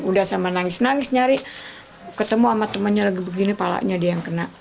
sudah sama nangis nangis ncari ketemu sama temennya lagi begini palanya dia yang kena